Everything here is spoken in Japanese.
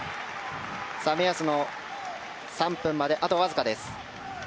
目安の３分まであとわずかです。